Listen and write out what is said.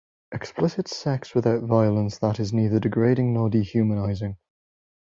Explicit sex without violence that is neither degrading nor dehumanizing.